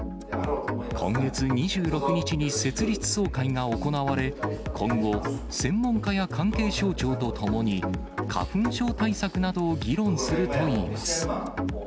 今月２６日に設立総会が行われ、今後、専門家や関係省庁とともに、花粉症対策などを議論するといいます。